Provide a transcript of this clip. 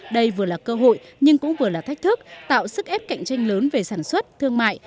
đây vừa là cơ hội nhưng cũng vừa là thách thức tạo sức ép cạnh tranh lớn về sản xuất thương mại